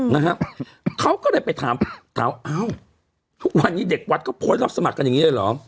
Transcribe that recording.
นะฮะเขาก็เลยไปถามถามอ้าวทุกวันนี้เด็กวัดเขาโพสต์รับสมัครกันอย่างงี้เลยเหรอ